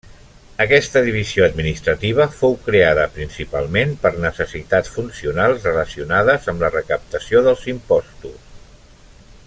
Aquesta divisió administrativa fou creada principalment per necessitats funcionals relacionades amb la recaptació dels imposts.